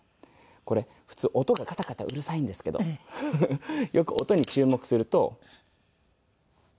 これ普通音がカタカタうるさいんですけどよく音に注目すると。